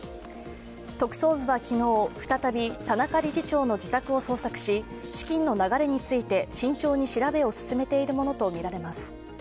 特捜部は昨日、再び田中理事長の自宅を捜索し資金の流れについて慎重に調べを進めているものとみられます。